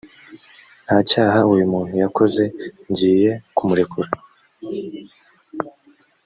nta cyaha uyu muntu yakoze ngiye kumurekura